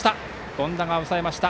権田、抑えました。